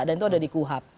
dan itu ada di kuhap